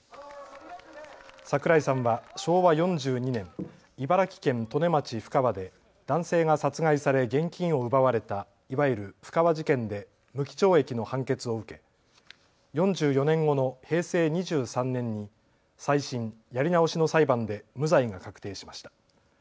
桜井さんは昭和４２年、茨城県利根町布川で男性が殺害され現金を奪われたいわゆる布川事件で無期懲役の判決を受け４４年後の平成２３年に再審・やり直しの裁判で無罪が確定しました。